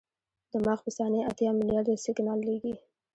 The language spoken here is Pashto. دماغ په ثانیه اتیا ملیارده سیګنال لېږي.